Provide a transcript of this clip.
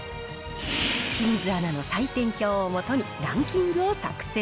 清水アナの採点表をもとにランキングを作成。